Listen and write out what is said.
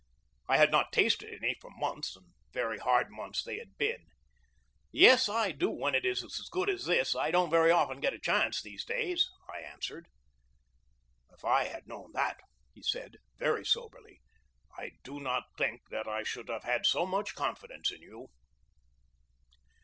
I had not tasted any for months, and very hard months they had been. "Yes, I do when it is as good as this. I don't very often get a chance, these days/' I answered. S 2 GEORGE DEWEY "If I had known that," he said, very soberly, "I do not think that I should have had so much confidence in you."